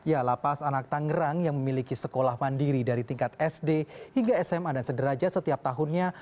ya lapas anak tangerang yang memiliki sekolah mandiri dari tingkat sd hingga sma dan sederajat setiap tahunnya